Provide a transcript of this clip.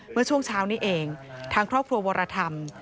เมื่อช่วงเช้านี้เองทางครอบครัววรธรรม